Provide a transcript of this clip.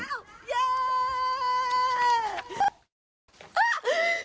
เย้